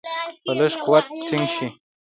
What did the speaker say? په لږ قوت ټینګ شي.